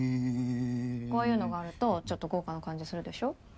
こういうのがあるとちょっと豪華な感じするでしょ？